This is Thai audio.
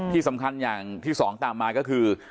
ที่สำคัญอย่างที่สองตามมาก็คือ